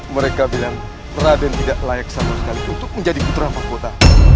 mereka bilang raden tidak layak sama sekali untuk menjadi putra fakulta